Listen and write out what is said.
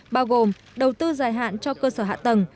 bao gồm đầu tư dài hạn cho cơ sở hạ tầng